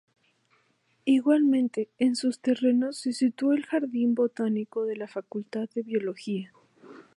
Igualmente, en sus terrenos se situó el Jardín Botánico de la Facultad de Biología.